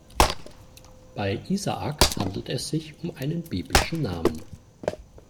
Bei Isaak handelt es sich um einen biblischen Namen.